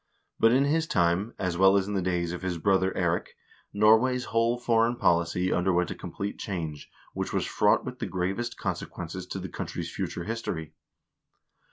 But in his time, as well as in the days of his brother Eirik, Norway's whole foreign policy underwent a complete change, which was fraught with the gravest consequences to the country's future history.